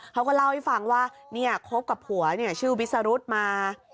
เขาก็เล่าให้ฟังว่าเนี่ยคบกับผัวเนี่ยชื่อวิสรุธมา